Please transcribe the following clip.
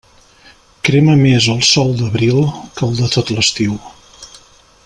Crema més el sol d'abril que el de tot l'estiu.